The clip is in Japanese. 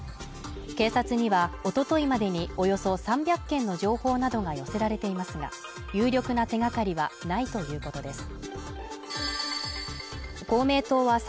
警察にはおとといまでにおよそ３００件の情報などが寄せられていますが有力な手がかりはないということです